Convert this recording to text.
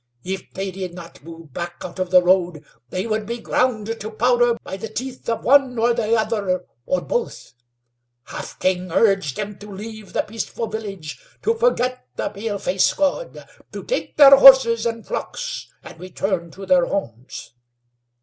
If they did not move back out of the road they would be ground to powder by the teeth of one or the other, or both. Half King urged them to leave the peaceful village, to forget the paleface God; to take their horses, and flocks, and return to their homes.